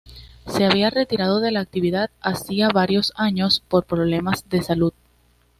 Se había retirado de la actividad hacía varios años por problemas de salud.